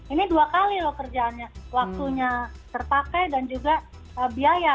ini dua kali loh kerjaannya waktunya terpakai dan juga biaya